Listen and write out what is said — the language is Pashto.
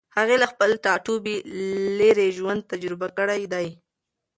هغې له خپل ټاټوبي لېرې ژوند تجربه کړی دی.